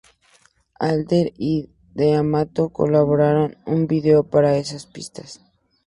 Adler y D'Amato colaboraron en videos para esas pistas.